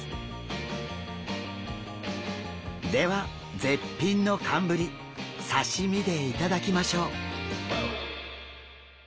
では絶品の寒ぶり刺身で頂きましょう。